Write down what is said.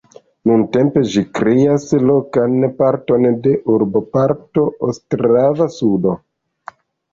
Nuntempe ĝi kreas lokan parton de urboparto Ostrava-Sudo.